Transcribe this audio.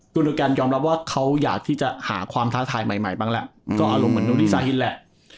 กุณธการยอมรับว่าเขาอยากที่จะหาความท้าทายใหม่ใหม่บ้างแหละก็อารมณ์เหมือนโนธิสาฮิตแหละ